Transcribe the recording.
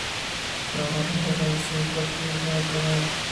Navarro jugó en los seis partidos en el torneo.